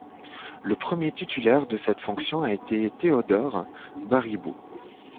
Le premier titulaire de cette fonction a été Théodore Baribeau.